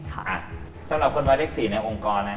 สำหรับคนวาเล็บ๔ในองค์กร